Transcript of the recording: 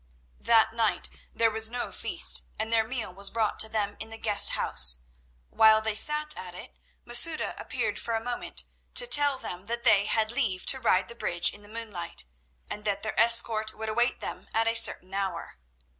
That night there was no feast, and their meal was brought to them in the guest house. While they sat at it Masouda appeared for a moment to tell them that they had leave to ride the bridge in the moonlight, and that their escort would await them at a certain hour.